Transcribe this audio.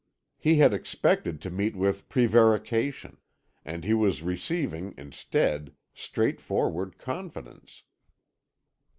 He had expected to meet with prevarication, and he was receiving, instead, straightforward confidence.